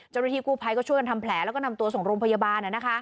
เจ้าหน้าที่กู้ภัยก็ช่วยกันทำแผลแล้วก็นำตัวส่งโรงพยาบาล